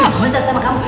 gak usah sama kamu